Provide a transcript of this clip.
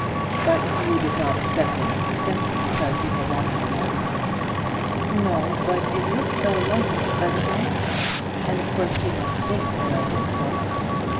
"But you did not accept him simply because you had lost your money." "No; but it looks so like it; does it not? And of course he must think that I did so."